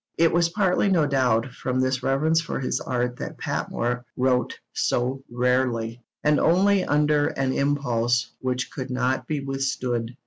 It was partly, no doubt, from this reverence for his art that Patmore wrote so rarely, and only under an impulse which could not be withstood.